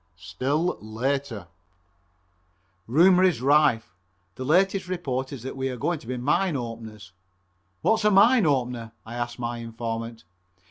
(Still later) Rumor is rife. The latest report is that we are going to be Mine Openers. "What's a Mine Opener?" I asked my informant.